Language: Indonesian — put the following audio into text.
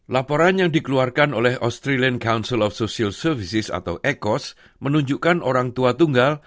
laporan yang dikeluarkan oleh australian council of social services atau ecos menunjukkan orang tua tunggal